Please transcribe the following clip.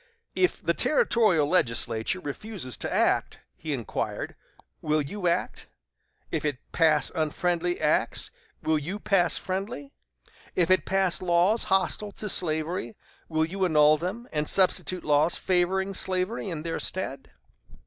"If the territorial legislature refuses to act," he inquired "will you act? If it pass unfriendly acts, will you pass friendly? If it pass laws hostile to slavery, will you annul them, and substitute laws favoring slavery in their stead?"